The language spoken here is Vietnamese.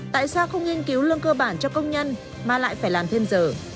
tại sao không nghiên cứu lương cơ bản cho công nhân mà lại phải làm thêm giờ